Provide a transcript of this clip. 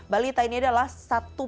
balita ini adalah satu